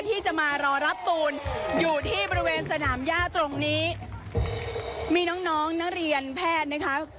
ที่จะมารอรับตูนอยู่ที่บริเวณสนามย่าตรงนี้มีน้องน้องนักเรียนแพทย์นะคะ